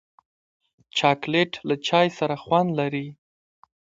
چاکلېټ له چای سره خوند لري.